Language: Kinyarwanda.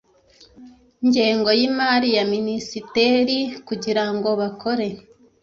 ngengo y imari ya minisiteri kugira ngo bakore